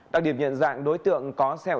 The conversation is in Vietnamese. đặc điểm nhận dạng đối tượng có xeo